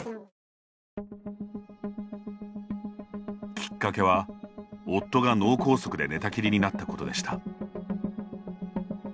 きっかけは、夫が脳梗塞で寝たきりになったことでした。